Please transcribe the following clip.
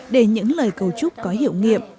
để những lời cầu chúc có hiệu nghiệp